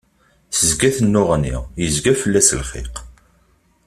Tezga tennuɣni, yezga fell-as lxiq.